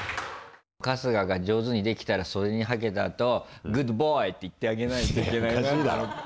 春日が上手にできたら袖にはけたあと「グッドボーイ」って言ってあげないといけないなと。